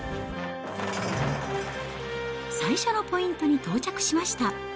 最初のポイントに到着しました。